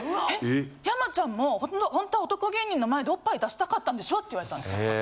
「山ちゃんもほんとは男芸人の前でオッパイ出したかったんでしょ」って言われたんです。